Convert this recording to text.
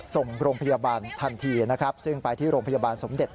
ส่งโรงพยาบาลทันทีนะครับซึ่งไปที่โรงพยาบาลสมเด็จ